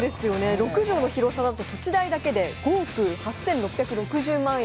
６畳の広さで土地代だけで５億８５６０万円。